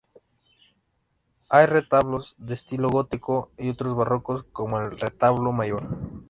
Hay retablos de estilo gótico y otros barrocos, como el retablo mayor.